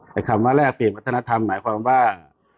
แต่คำว่าแลกเปลี่ยนวัฒนธรรมหมายความว่า